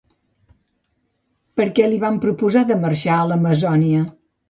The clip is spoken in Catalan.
Per què li van proposar de marxar a l'Amazònia?